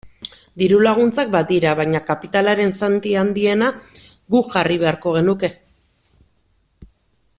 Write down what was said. Diru-laguntzak badira, baina kapitalaren zati handiena guk jarri beharko genuke.